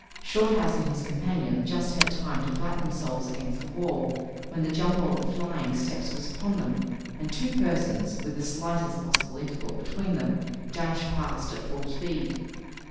Shorthouse and his companion just had time to flatten themselves against the wall when the jumble of flying steps was upon them, and two persons, with the slightest possible interval between them, dashed past at full speed.